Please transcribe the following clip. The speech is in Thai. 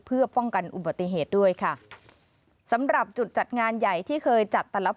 เพื่อป้องกันอุบัติเหตุด้วยค่ะสำหรับจุดจัดงานใหญ่ที่เคยจัดแต่ละ